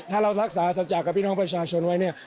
ถ้าเรารักษาสัจจากกับพี่น้องประชาชนไว้เนี่ย